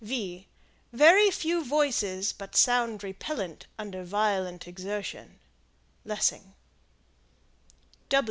Very few voices but sound repellent under violent exertion. Lessing.